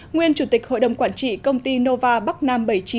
nguyên chủ tịch hội đồng quản trị công ty nova bắc nam bảy mươi chín